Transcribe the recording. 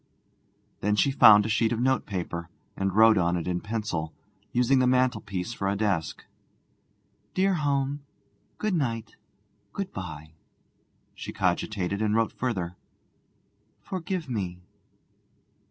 Then she found a sheet of notepaper, and wrote on it in pencil, using the mantelpiece for a desk: 'Dear home. Good night, good bye.' She cogitated, and wrote further: 'Forgive me.